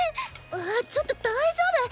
あちょっと大丈夫？